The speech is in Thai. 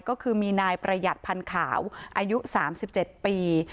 ก็คือมีนายประหยัดพันธ์ขาวอายุ๓๗ปี